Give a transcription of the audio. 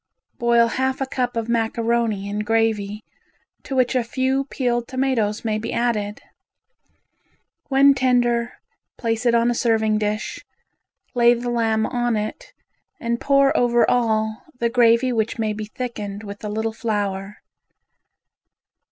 Boil half a cup of macaroni in gravy to which a few peeled tomatoes may be added. When tender, place it on a serving dish, lay the lamb on it and pour over all the gravy which may be thickened with a little flour.